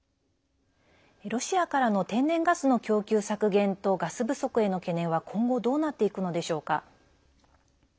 ロシアからの天然ガスの供給削減とガス不足への懸念は今後どうなっていくのでしょうか。